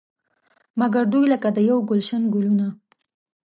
مګر دوی لکه د یو ګلش ګلونه.